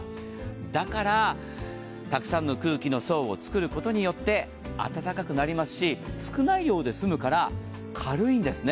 だからたくさんの空気の層を作ることによって暖かくなりますし、少ない量で済みますから軽いんですね。